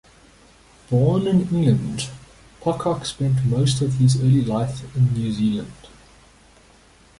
Born in England, Pocock spent most of his early life in New Zealand.